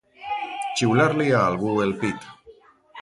Xiular-li a algú el pit.